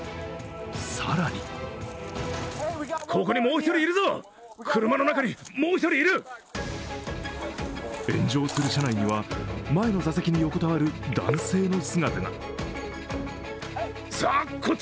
更に炎上する車内には前の座席に横たわる男性の姿が。